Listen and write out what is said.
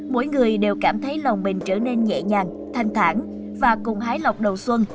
mỗi người đều cảm thấy lòng mình trở nên nhẹ nhàng thanh thản và cùng hái lọc đầu xuân